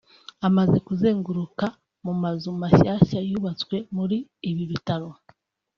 Amaze kuzenguruka mu mazu mashyashya yubatswe muri ibi bitaro